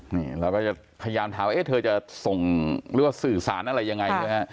เราก็กำลัวจะพยายามทำทำให้เธอจะส่งเรื่องสื่อสารอะไรอย่างไรครับ